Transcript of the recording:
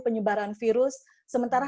penyebaran virus sementara